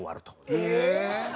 え！